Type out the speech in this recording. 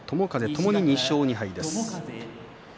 ともに２勝２敗です。